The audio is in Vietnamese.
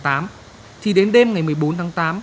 thì đến đêm ngày một mươi bốn tháng tám